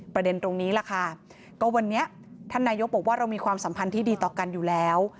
ประเด็นตรงนี้แหละค่ะก็วันนี้ท่านนายกบอกว่าเรามีความสัมพันธ์ที่ดีต่อกันอยู่แล้ว